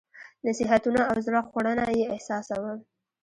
نصيحتونه او زړه خوړنه یې احساسوم.